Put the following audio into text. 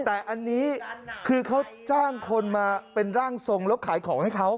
แต่อันนี้คือเขาจ้างคนมาเป็นร่างทรงแล้วขายของให้เขา